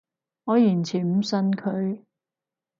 我完全唔信佢